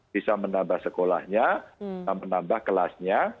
bisa menambah sekolahnya bisa menambah kelasnya